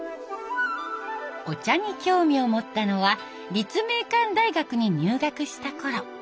お茶に興味を持ったのは立命館大学に入学したころ。